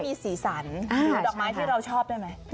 มีสีสันดอกไม้ที่เราชอบได้ไหม